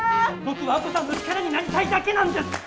僕は亜子さんの力になりたいだけなんです！